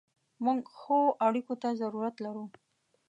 موږ ښو اړیکو ته ضرورت لرو.